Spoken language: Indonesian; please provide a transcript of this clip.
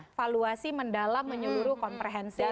evaluasi mendalam menyeluruh komprehensif